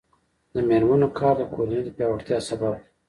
د میرمنو کار د کورنۍ پیاوړتیا سبب دی.